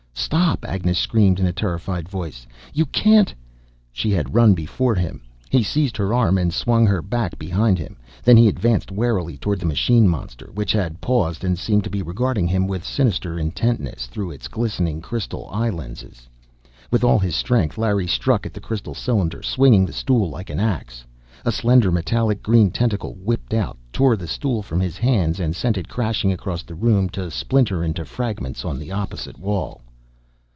"Stop!" Agnes screamed, in a terrified voice. "You can't " She had run before him. He seized her arm and swung her back behind him. Then he advanced warily toward the machine monster, which had paused and seemed to be regarding him with sinister intentness, through its glistening crystal eye lenses. With all his strength, Larry struck at the crystal cylinder, swinging the stool like an ax. A slender, metallic green tentacle whipped out, tore the stool from his hands, and sent it crashing across the room, to splinter into fragments on the opposite wall.